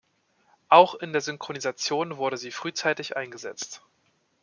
Auch in der Synchronisation wurde sie frühzeitig eingesetzt.